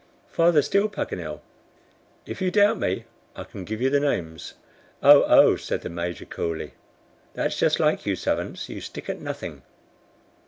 "Farther still, Paganel." "If you doubt me, I can give you the names." "Oh, oh," said the Major, coolly. "That's just like you SAVANTS. You stick at nothing."